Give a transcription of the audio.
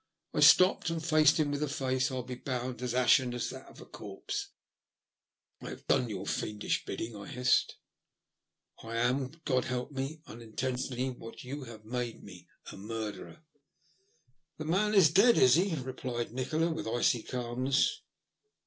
I stopped and faced him with a face, I'll be bound, as ashen as that of a corpse. " I have done your fiendish bidding," I hissed. *' I am — God help me — unintentionally what you have made me — a murderer." *' Then the man is dead, is he ?" replied Nikola, with icy calmness.